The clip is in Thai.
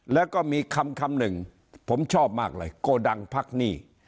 แล้วก็มีคำหนึ่งผมชอบมากเลยโกดังพักหนี้